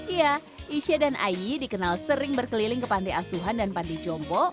iya isya dan ayi dikenal sering berkeliling ke pantai asuhan dan pantai jombo